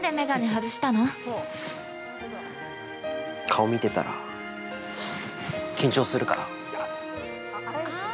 顔見てたら、緊張するから。